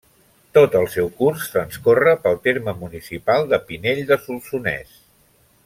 Tot el seu curs transcorre pel terme municipal de Pinell de Solsonès.